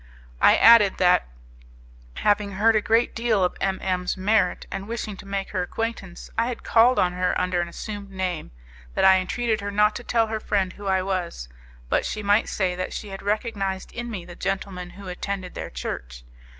I added that, having heard a great deal of M M 's merit, and wishing to make her acquaintance, I had called on her under an assumed name; that I entreated her not to tell her friend who I was, but she might say that she had recognized in me the gentleman who attended their church.